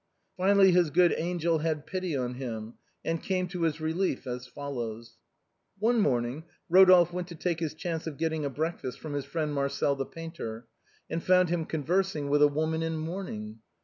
Finally his good angel had pity on him, and came to his relief as follows. THE WHITE VIOLETS. 107 One morning, Rodolphe went to take his chance of get ting a breakfast from his friend Marcel the painter, and found him conversing with a woman in mourning.